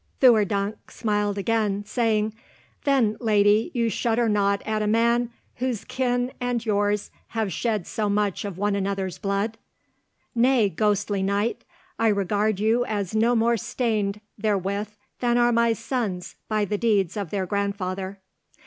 Theurdank smiled again, saying, "Then, lady, you shudder not at a man whose kin and yours have shed so much of one another's blood?" "Nay, ghostly knight, I regard you as no more stained therewith than are my sons by the deeds of their grandfather."